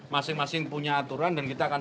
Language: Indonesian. masing masing punya aturan dan kita akan